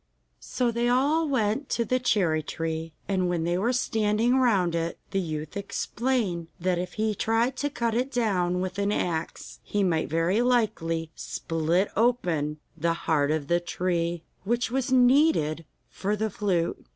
So they all went to the cherry tree, and when they were standing round it the youth explained that if he tried to cut it down with an axe he might very likely split open the heart of the tree, which was needed for the flute.